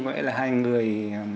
vậy là hai người